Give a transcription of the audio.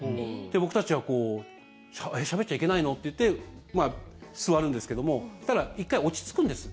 僕たちはえっ、しゃべっちゃいけないのっていって座るんですけどもそしたら１回落ち着くんです。